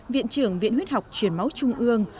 viện trưởng viện huyết học truyền máu trung ương